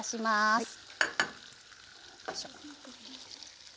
はい。